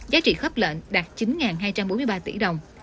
giá trị khớp lệnh đạt chín hai trăm bốn mươi ba tỷ đồng